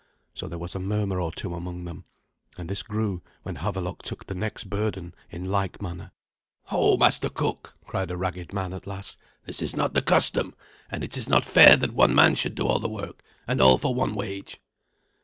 So there was a murmur or two among them, and this grew when Havelok took the next burden in like manner. "Ho, master cook," cried a ragged man at last, "this is not the custom, and it is not fair that one man should do all the work, and all for one wage."